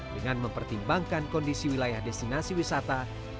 dengan mempertimbangkan kondisi wilayah destinasi wisata